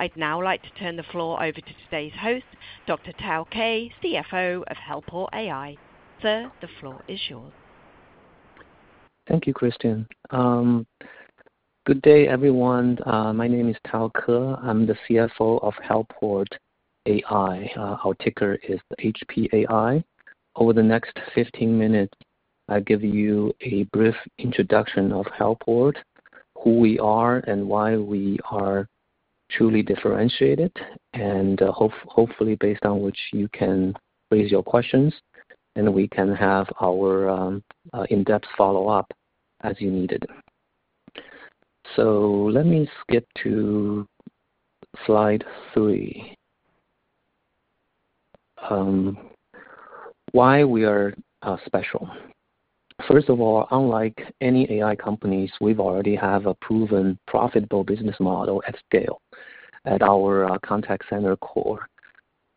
I'd now like to turn the floor over to today's host, Dr. Tao Ke, CFO of Helport AI. Sir, the floor is yours. Thank you, Christian. Good day, everyone. My name is Tao Ke. I'm the CFO of Helport AI. Our ticker is HPAI. Over the next 15 minutes, I'll give you a brief introduction of Helport, who we are, and why we are truly differentiated, and hopefully, based on which you can raise your questions, and we can have our in-depth follow-up as you need it. So let me skip to slide three. Why we are special? First of all, unlike any AI companies, we've already had a proven, profitable business model at scale at our contact center core.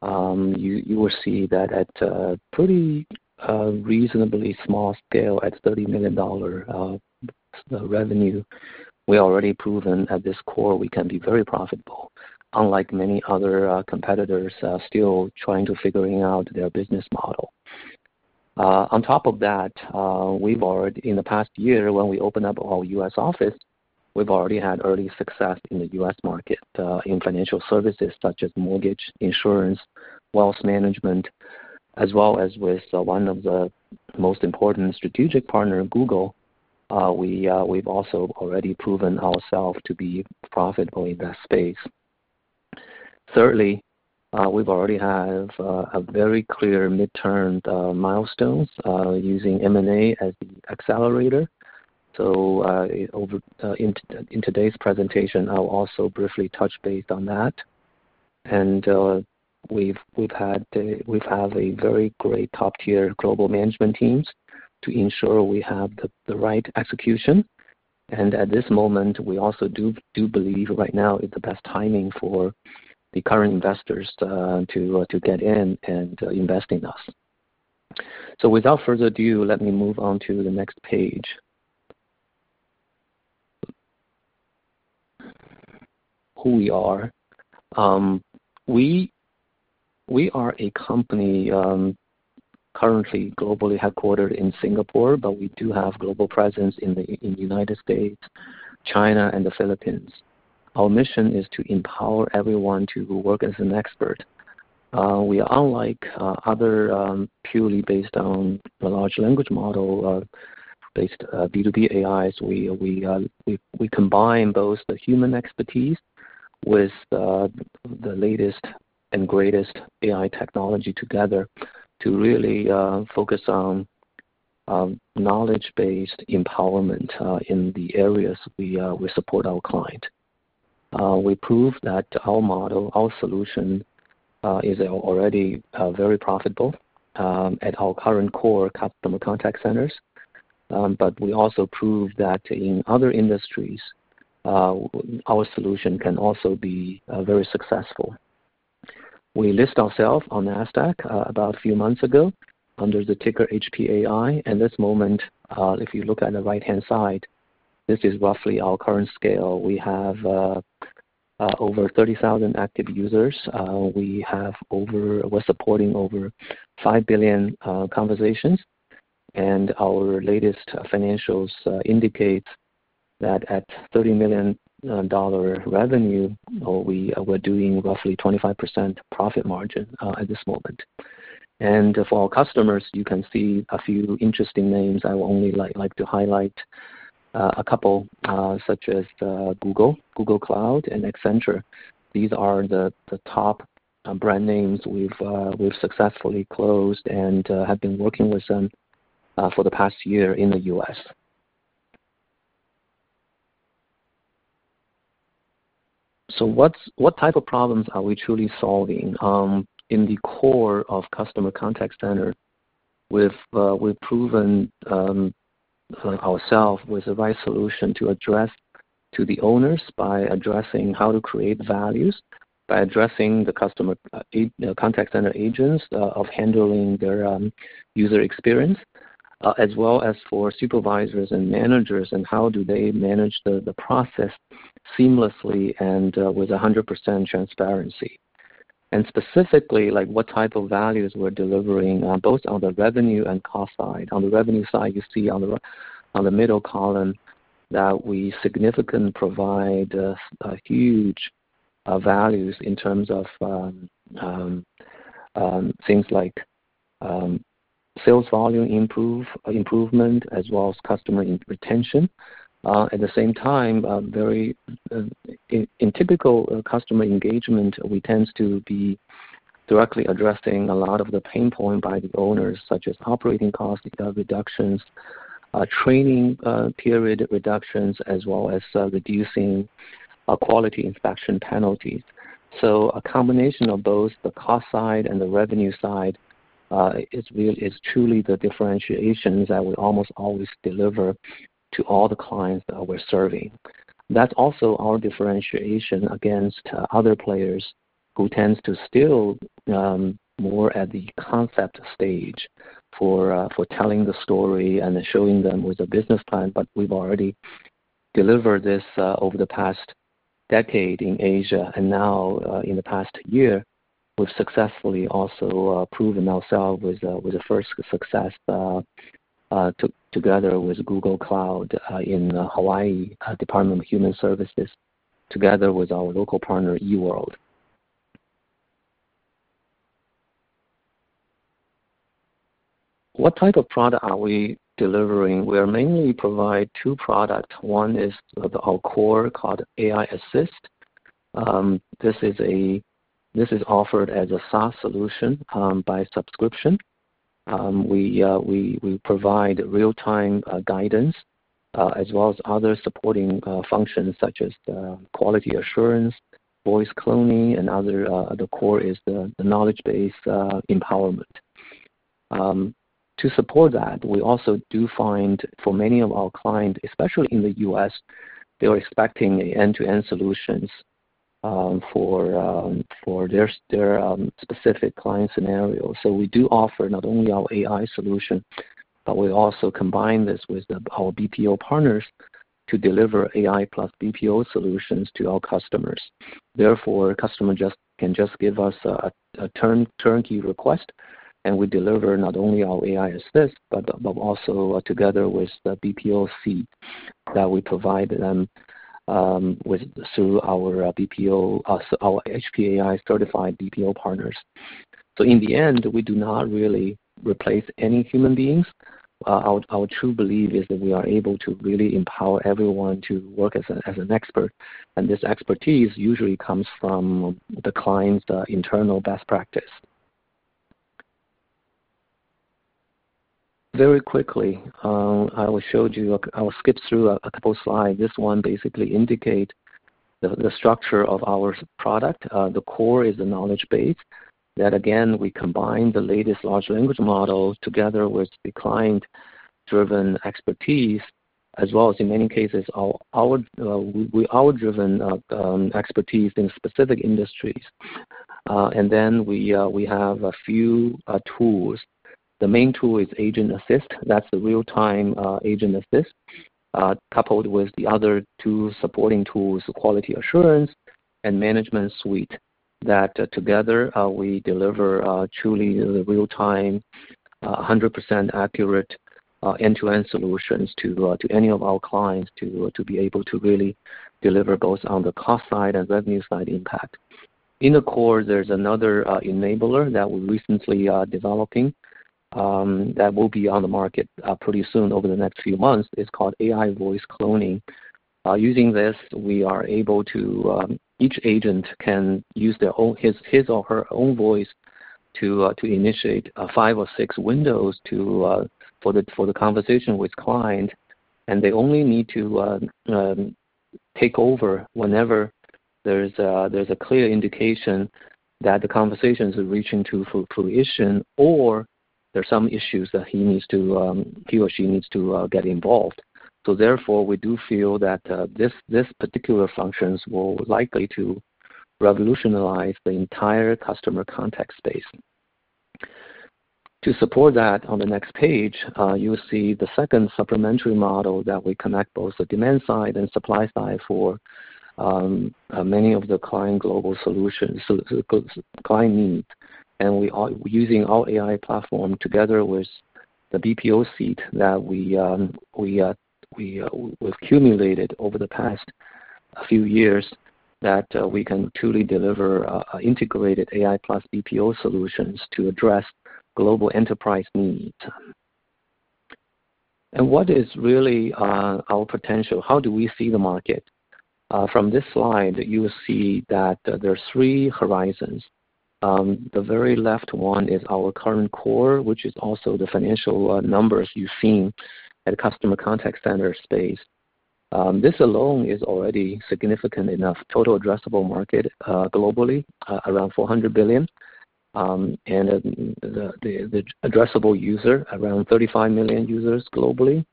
You will see that at a pretty reasonably small scale, at $30 million revenue, we've already proven at this core we can be very profitable, unlike many other competitors, still trying to figure out their business model. On top of that, we've already, in the past year, when we opened up our U.S. office, we've already had early success in the U.S. market, in financial services such as mortgage, insurance, wealth management, as well as with one of the most important strategic partners, Google. We've also already proven ourselves to be profitable in that space. Thirdly, we've already had a very clear midterm milestones, using M&A as the accelerator. So, in today's presentation, I'll also briefly touch base on that. And we've had a very great top-tier global management teams to ensure we have the right execution. And at this moment, we also believe right now is the best timing for the current investors to get in and invest in us. So without further ado, let me move on to the next page. Who we are. We are a company currently globally headquartered in Singapore, but we do have global presence in the United States, China, and the Philippines. Our mission is to empower everyone to work as an expert. We are unlike other purely based on the large language model based B2B AIs. We combine both the human expertise with the latest and greatest AI technology together to really focus on knowledge-based empowerment in the areas we support our client. We prove that our model, our solution, is already very profitable at our current core customer contact centers. But we also prove that in other industries, our solution can also be very successful. We list ourselves on Nasdaq about a few months ago under the ticker HPAI. At this moment, if you look at the right-hand side, this is roughly our current scale. We have over 30,000 active users. We have over; we're supporting over 5 billion conversations, and our latest financials indicate that at $30 million revenue, we're doing roughly 25% profit margin at this moment, and for our customers, you can see a few interesting names I will only like to highlight a couple, such as Google, Google Cloud, and Accenture. These are the top brand names we've successfully closed and have been working with them for the past year in the U.S. What type of problems are we truly solving in the core of customer contact center. We've proven ourselves with the right solution to address to the owners by addressing how to create values by addressing the customer contact center agents of handling their user experience as well as for supervisors and managers and how do they manage the process seamlessly and with 100% transparency, and specifically, like, what type of values we're delivering both on the revenue and cost side. On the revenue side you see on the middle column that we significantly provide huge values in terms of things like sales volume improvement as well as customer retention. At the same time, in typical customer engagement, we tend to be directly addressing a lot of the pain points by the owners, such as operating cost reductions, training period reductions, as well as reducing quality inspection penalties. So a combination of both the cost side and the revenue side is really truly the differentiation that we almost always deliver to all the clients that we're serving. That's also our differentiation against other players who tend to still more at the concept stage for telling the story and showing them with a business plan. But we've already delivered this over the past decade in Asia. And now, in the past year, we've successfully also proven ourselves with the first success together with Google Cloud, in Hawaii Department of Human Services, together with our local partner, eWorld. What type of product are we delivering? We are mainly provide two products. One is our core called AI Assist. This is offered as a SaaS solution by subscription. We provide real-time guidance as well as other supporting functions such as quality assurance, voice cloning, and other. The core is the knowledge-based empowerment. To support that, we also do find for many of our clients, especially in the U.S., they're expecting end-to-end solutions for their specific client scenarios. So we do offer not only our AI solution, but we also combine this with our BPO partners to deliver AI + BPO solutions to our customers. Therefore, customer just can give us a turnkey request, and we deliver not only our AI Assist, but also together with the BPO seat that we provide them with through our BPO, our HPAI-certified BPO partners. In the end, we do not really replace any human beings. Our true belief is that we are able to really empower everyone to work as an expert. This expertise usually comes from the client's internal best practice. Very quickly, I will show you. I will skip through a couple of slides. This one basically indicates the structure of our SaaS product. The core is the knowledge base that, again, we combine the latest large language model together with the client-driven expertise, as well as, in many cases, our own expertise in specific industries. Then we have a few tools. The main tool is Agent Assist. That's the real-time Agent Assist, coupled with the other two supporting tools, quality assurance and management suite, that, together, we deliver truly the real-time 100% accurate end-to-end solutions to any of our clients to be able to really deliver both on the cost side and revenue side impact. In the core, there's another enabler that we're recently developing that will be on the market pretty soon over the next few months. It's called AI Voice Cloning. Using this, we are able to. Each agent can use their own his or her own voice to initiate five or six windows to for the conversation with client. And they only need to take over whenever there's a clear indication that the conversation is reaching to fruition or there's some issues that he or she needs to get involved. So therefore, we do feel that this particular functions will likely to revolutionize the entire customer contact space. To support that, on the next page, you'll see the second supplementary model that we connect both the demand side and supply side for many of the client global solutions, so client needs. And we are using our AI platform together with the BPO seat that we've accumulated over the past few years that we can truly deliver integrated AI + BPO solutions to address global enterprise needs. And what is really our potential? How do we see the market? From this slide, you'll see that there are three horizons. The very left one is our current core, which is also the financial numbers you've seen at the customer contact center space. This alone is already significant enough. Total addressable market, globally, around $400 billion. And the addressable user around 35 million users globally.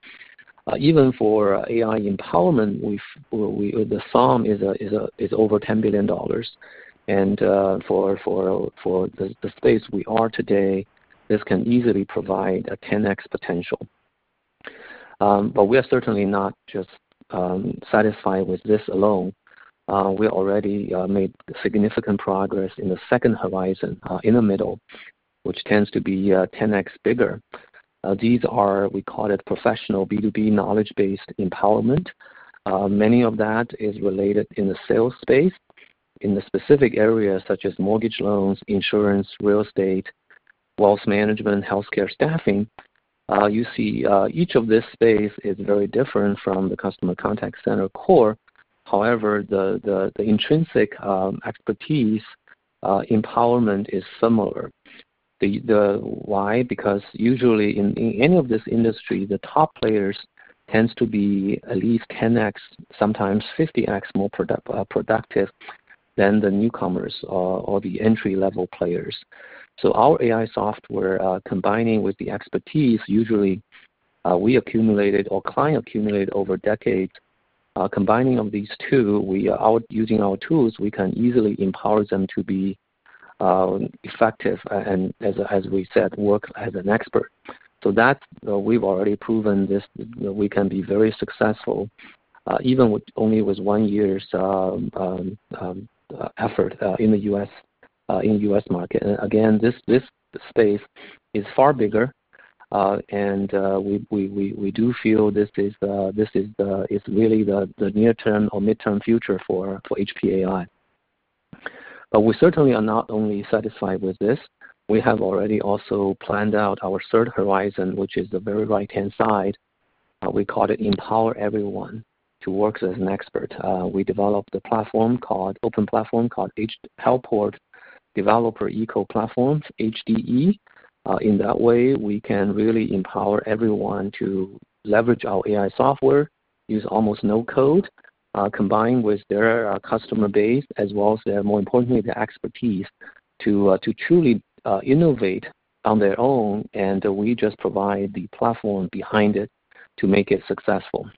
Even for AI empowerment, the sum is over $10 billion. And for the space we are today, this can easily provide a 10x potential. But we are certainly not just satisfied with this alone. We already made significant progress in the second horizon in the middle, which tends to be 10x bigger. These are, we call it professional B2B knowledge-based empowerment. Many of that is related in the sales space, in the specific areas such as mortgage loans, insurance, real estate, wealth management, healthcare staffing. You see, each of this space is very different from the customer contact center core. However, the intrinsic expertise empowerment is similar. The why? Because usually in any of this industry, the top players tend to be at least 10x, sometimes 50x more productive than the newcomers or the entry-level players. So our AI software, combining with the expertise usually we accumulated or client accumulated over decades, combining of these two, using our tools, we can easily empower them to be effective and as we said, work as an expert. So that, we've already proven this. We can be very successful, even with only one year's effort, in the U.S. market. Again, this space is far bigger. We do feel this is really the near-term or mid-term future for HPAI. But we certainly are not only satisfied with this. We have already also planned out our third horizon, which is the very right-hand side. We call it Empower Everyone to work as an expert. We developed an open platform called Helport Developer Ecosystem, HDE. In that way, we can really empower everyone to leverage our AI software, use almost no code, combine with their customer base, as well as their, more importantly, their expertise to truly innovate on their own. We just provide the platform behind it to make it successful.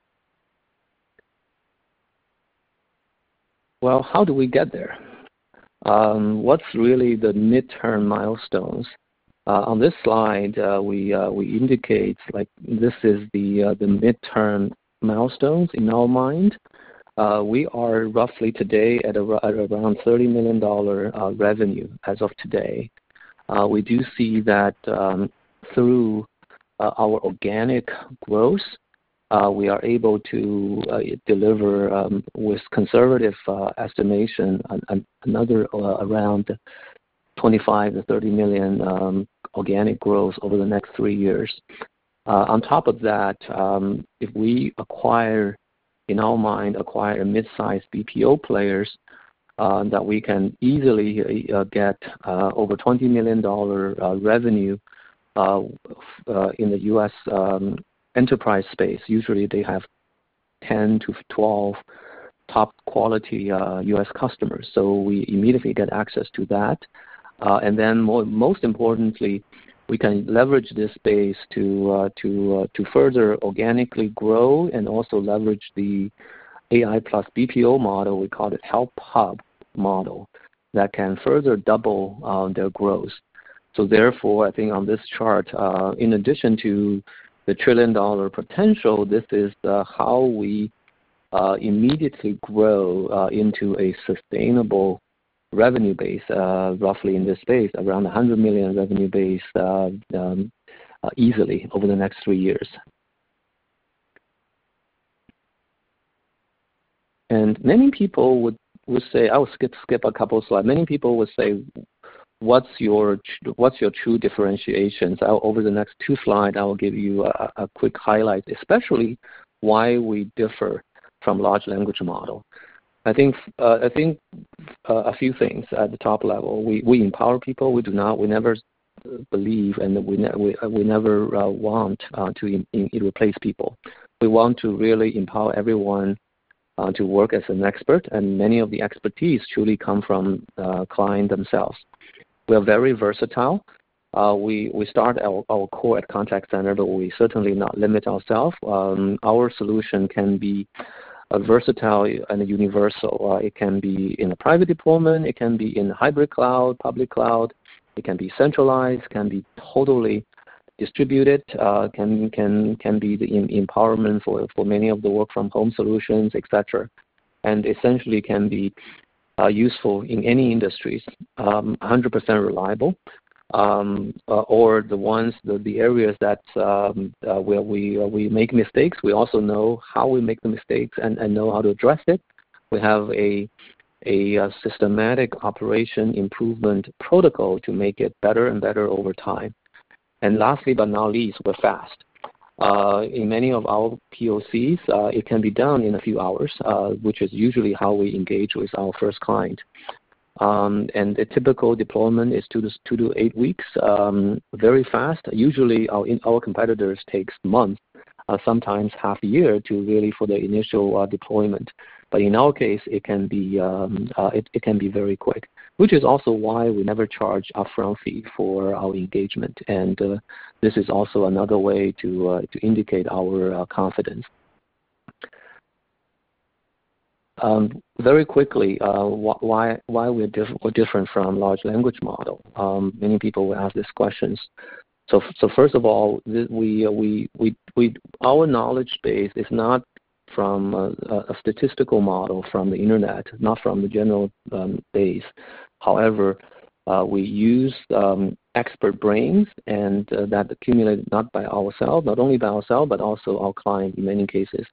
How do we get there? What is really the mid-term milestones? On this slide, we indicate, like, this is the mid-term milestones in our mind. We are roughly today at around $30 million revenue as of today. We do see that, through our organic growth, we are able to deliver, with conservative estimation, another around $25-$30 million organic growth over the next three years. On top of that, if we acquire, in our mind, acquire mid-size BPO players, that we can easily get over $20 million revenue in the U.S. enterprise space, usually they have 10 to 12 top-quality U.S. customers. So we immediately get access to that. And then, most importantly, we can leverage this space to further organically grow and also leverage the AI + BPO model. We call it Helphub model that can further double their growth. So therefore, I think on this chart, in addition to the trillion-dollar potential, this is how we immediately grow into a sustainable revenue base, roughly in this space, around $100 million revenue base, easily over the next three years. Many people would say, I will skip a couple of slides. Many people would say, "What's your true differentiations?" Over the next two slides, I will give you a quick highlight, especially why we differ from large language model. I think a few things at the top level. We empower people. We do not. We never believe and we never want to replace people. We want to really empower everyone to work as an expert. Many of the expertise truly come from clients themselves. We are very versatile. We start our core at contact center, but we certainly not limit ourselves. Our solution can be versatile and universal. It can be in a private deployment. It can be in hybrid cloud, public cloud. It can be centralized. It can be totally distributed. It can be the empowerment for many of the work-from-home solutions, etc. Essentially it can be useful in any industries, 100% reliable in the areas where we make mistakes. We also know how we make the mistakes and know how to address it. We have a systematic operation improvement protocol to make it better and better over time. Lastly, but not least, we're fast. In many of our POCs, it can be done in a few hours, which is usually how we engage with our first client. The typical deployment is two to eight weeks, very fast. Usually, our competitors takes months, sometimes half a year to really for the initial deployment. But in our case, it can be very quick, which is also why we never charge upfront fee for our engagement. And this is also another way to indicate our confidence very quickly why we're different from large language model. Many people will ask this question. So first of all, our knowledge base is not from a statistical model from the internet, not from the general base. However, we use expert brains, and that accumulated not only by ourselves, but also our client in many cases.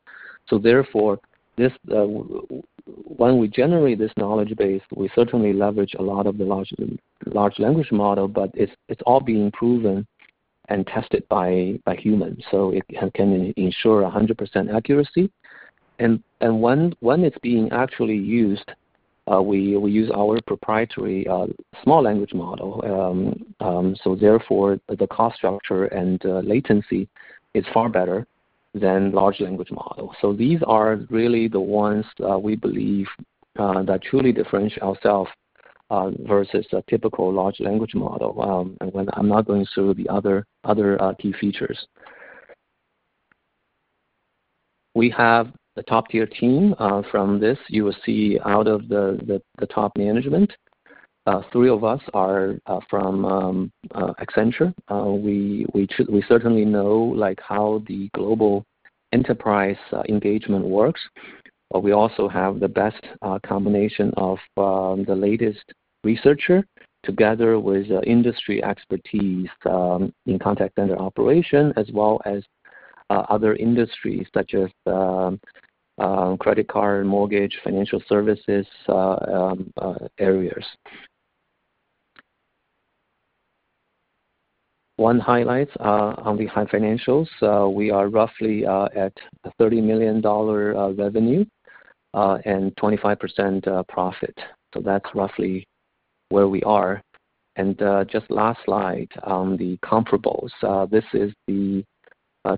So therefore, when we generate this knowledge base, we certainly leverage a lot of the large language model, but it's all being proven and tested by humans. So it can ensure 100% accuracy. When it's being actually used, we use our proprietary small language model. So therefore, the cost structure and latency is far better than large language model. So these are really the ones we believe that truly differentiate ourselves versus a typical large language model. And when I'm not going through the other key features. We have a top-tier team from this. You will see out of the top management. Three of us are from Accenture. We certainly know, like, how the global enterprise engagement works. But we also have the best combination of the latest researcher together with industry expertise in contact center operation, as well as other industries such as credit card, mortgage, financial services areas. One highlight on the high financials, we are roughly at $30 million revenue and 25% profit. So that's roughly where we are. Just last slide on the comparables. This is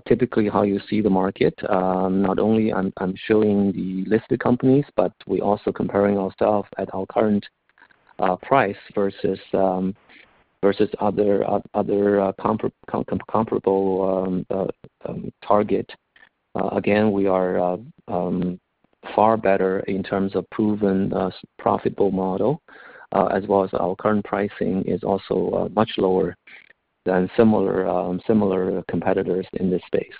typically how you see the market. Not only I'm showing the listed companies, but we also comparing ourselves at our current price versus other comparable target. Again, we are far better in terms of proven profitable model, as well as our current pricing is also much lower than similar competitors in this space.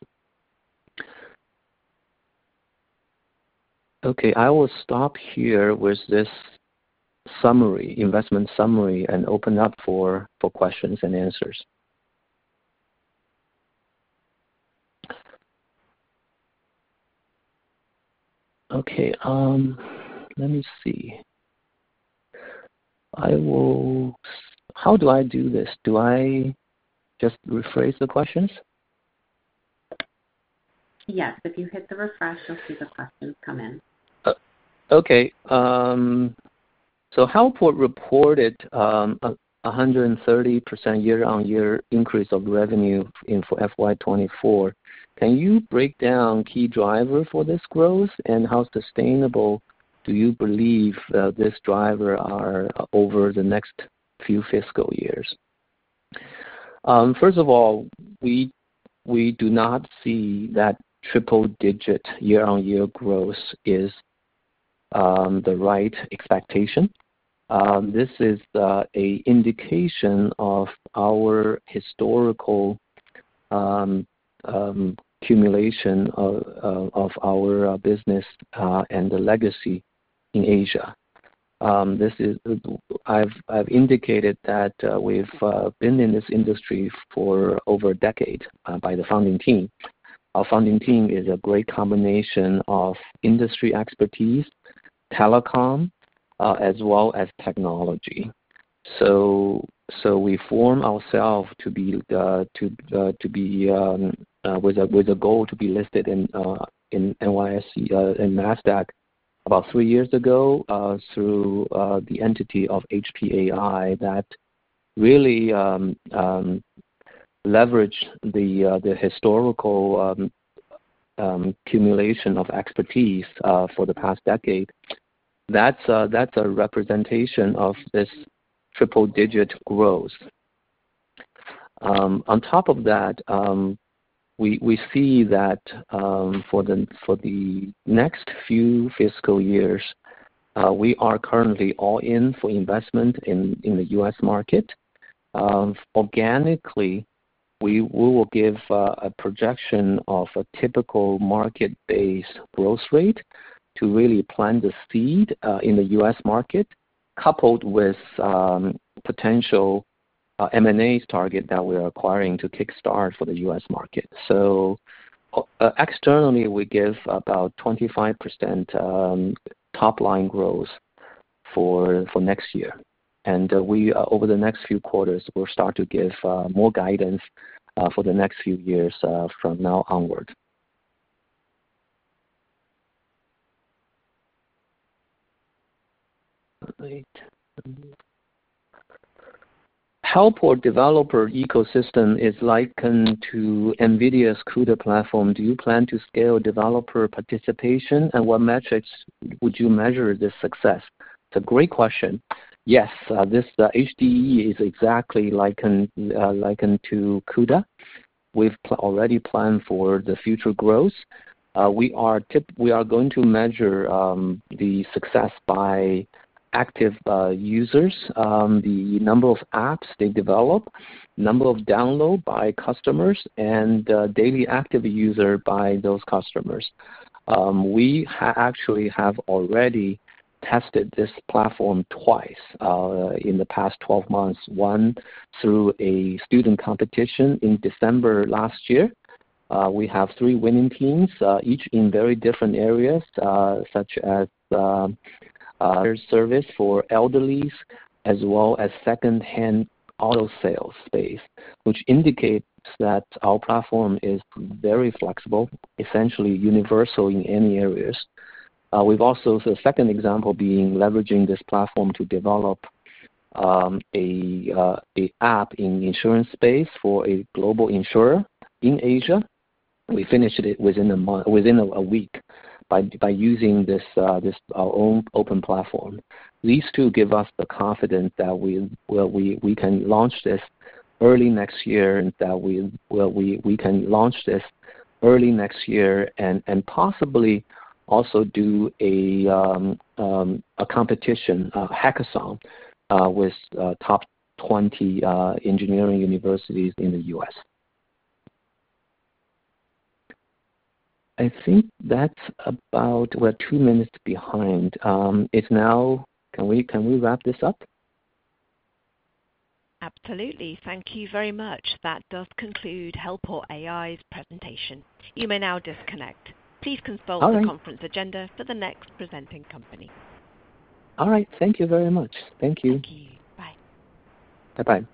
Okay. I will stop here with this investment summary, and open up for questions and answers. Okay. Let me see. I will show how do I do this? Do I just rephrase the questions? Yes. If you hit the refresh, you'll see the questions come in. Okay. So Helport reported a 130% year-on-year increase of revenue in for FY 2024. Can you break down key driver for this growth, and how sustainable do you believe this driver are over the next few fiscal years? First of all, we do not see that triple-digit year-on-year growth is the right expectation. This is an indication of our historical cumulation of our business and the legacy in Asia. This, I've indicated that we've been in this industry for over a decade by the founding team. Our founding team is a great combination of industry expertise, telecom, as well as technology. So we form ourselves to be with a goal to be listed in NYSE, in Nasdaq about three years ago through the entity of HPAI that really leveraged the historical cumulation of expertise for the past decade. That's a representation of this triple-digit growth. On top of that, we see that for the next few fiscal years, we are currently all in for investment in the US market. Organically, we will give a projection of a typical market-based growth rate to really plant the seed in the US market, coupled with potential M&A target that we are acquiring to kickstart for the US market. So externally, we give about 25% top-line growth for next year. And we over the next few quarters, we'll start to give more guidance for the next few years from now onward. All right. Helport Developer Ecosystem is likened to NVIDIA's CUDA platform. Do you plan to scale developer participation, and what metrics would you measure this success? It's a great question. Yes. This HDE is exactly likened to CUDA. We've already planned for the future growth. We are to measure the success by active users, the number of apps they develop, number of downloads by customers, and daily active user by those customers. We actually have already tested this platform twice, in the past 12 months, one through a student competition in December last year. We have three winning teams, each in very different areas, such as service for elderlies, as well as secondhand auto sales space, which indicates that our platform is very flexible, essentially universal in any areas. We've also the second example being leveraging this platform to develop a app in the insurance space for a global insurer in Asia. We finished it within a month, within a week, by using this our own open platform. These two give us the confidence that we can launch this early next year and possibly also do a competition, hackathon, with top 20 engineering universities in the U.S. I think that's about it. We're two minutes behind. It's now. Can we wrap this up? Absolutely. Thank you very much. That does conclude Helport AI's presentation. You may now disconnect. Please consult the conference agenda for the next presenting company. All right. Thank you very much. Thank you. Thank you. Bye. Bye-bye.